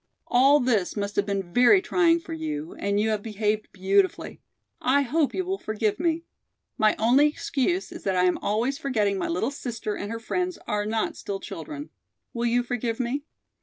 All this must have been very trying for you, and you have behaved beautifully. I hope you will forgive me. My only excuse is that I am always forgetting my little sister and her friends are not still children. Will you forgive me?"